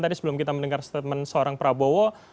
tadi sebelum kita mendengar statement seorang prabowo